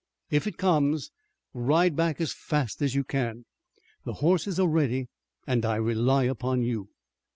If it comes, ride back as fast as you can. The horses are ready and I rely upon you."